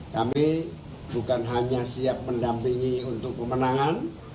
kami bukan hanya siap mendampingi untuk pemenangan